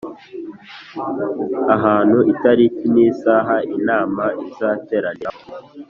ahantu itariki n isaha inama izateraniraho